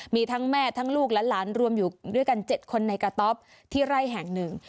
มีทั้งแม่ทั้งลูกและหลานรวมอยู่ด้วยกัน๗คนในกระต๊อบที่ไร่แห่งหนึ่ง